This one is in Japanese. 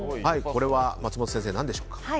これ松本先生、何でしょうか。